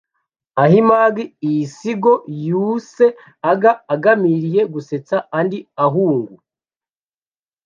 Ahimaga iisigo y’uuse aga agamiriye gusetsa andi ahungu